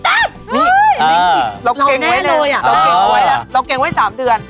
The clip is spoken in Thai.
เฮ้ยลิงค์ผิดลองเกงไว้๓เดือนลองแน่โนยอะลองเกงไว้๓เดือน